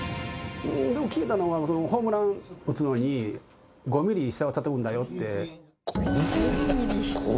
でも聞いたのはホームラン打つのに５ミリ下をたたくんだよって。